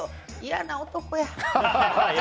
嫌な男や。